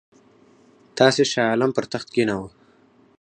تاسي شاه عالم پر تخت کښېناوه.